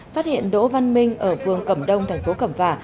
phát hiện đỗ văn minh ở phương cầm đông tp cầm phả